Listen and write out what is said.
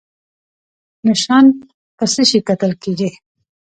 نشان په څه شي ګټل کیږي؟